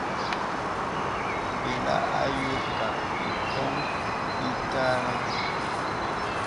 Belà ayókā īkǒn ìtərəŋhə.